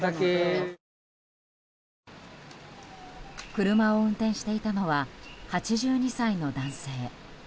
車を運転していたのは８２歳の男性。